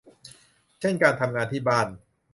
เช่นการทำงานที่บ้าน